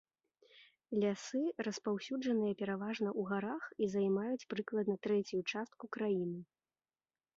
Лясы распаўсюджаныя пераважна ў гарах і займаюць прыкладна трэцюю частку краіны.